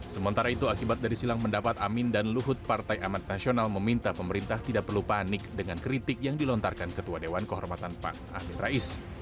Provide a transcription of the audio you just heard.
sementara itu akibat dari silang pendapat amin dan luhut partai amat nasional meminta pemerintah tidak perlu panik dengan kritik yang dilontarkan ketua dewan kehormatan pan amin rais